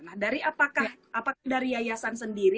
nah dari apakah dari yayasan sendiri